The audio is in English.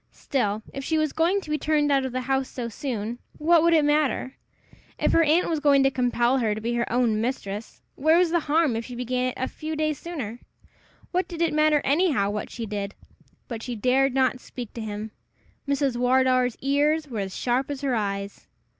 Still, if she was going to be turned out of the house so soon, what would it matter? If her aunt was going to compel her to be her own mistress, where was the harm if she began it a few days sooner? What did it matter anyhow what she did? But she dared not speak to him! Mrs. Wardour's ears were as sharp as her eyes.